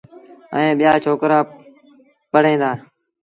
ائيٚݩ ٻيٚآ ڇوڪرآ پڙوهيݩ دآ۔